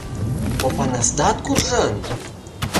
Опанасдат куржын!